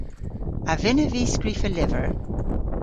A vynnav vy skrifa lyver?